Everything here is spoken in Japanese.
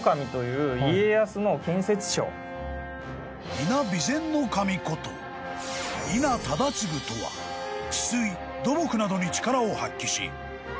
［伊奈備前守こと伊奈忠次とは治水土木などに力を発揮し］